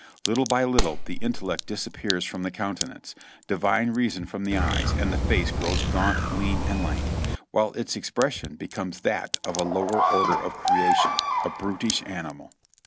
Little by little the in tellect disappears from the countenance, divine reason from the eyes, and the face grows gaunt, lean and lank, while its expres sion becomes that of a lower order of creation, a brutish animal.